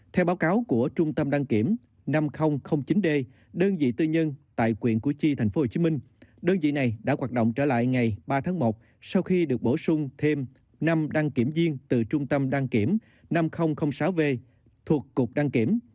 theo báo cáo của trung tâm đăng kiểm năm nghìn chín d đơn vị tư nhân tại quyện củ chi tp hcm đơn vị này đã hoạt động trở lại ngày ba tháng một sau khi được bổ sung thêm năm đăng kiểm viên từ trung tâm đăng kiểm năm nghìn sáu v thuộc cục đăng kiểm